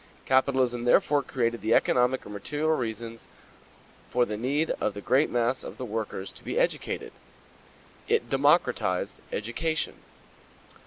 Capitalism therefore created the economic or material reasons far the need of the great mass of the workers to be educated: It "democratized" education.